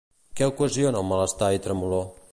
Què ocasiona el malestar i tremolor?